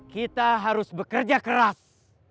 kita harus bekerja keras